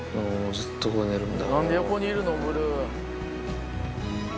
ずっとここで寝るんだ。